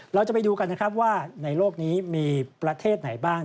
เราจะไปดูกันนะครับว่าในโลกนี้มีประเทศไหนบ้าง